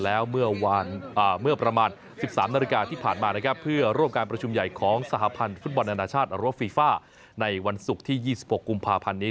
แล้วเมื่อประมาณ๑๓นาฬิกาที่ผ่านมานะครับเพื่อร่วมการประชุมใหญ่ของสหพันธ์ฟุตบอลนานาชาติหรือว่าฟีฟ่าในวันศุกร์ที่๒๖กุมภาพันธ์นี้